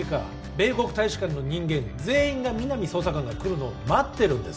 米国大使館の人間全員が皆実捜査官が来るのを待ってるんです